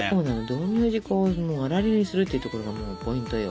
道明寺粉をあられにするっていうところがもうポイントよ。